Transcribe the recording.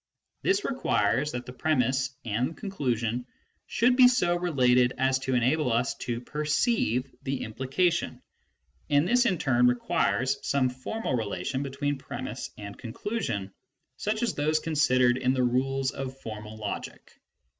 This requires that premiss and conclusion should be so related as to enable us to perceive the implication, and this in turn requires some formal rela tion between premiss and conclusion such as those considered m the rules of formal logic.